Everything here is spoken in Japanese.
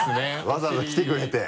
わざわざ来てくれて。